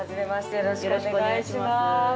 よろしくお願いします。